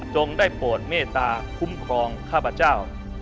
ได้โปรดเมตตาคุ้มครองข้าพเจ้า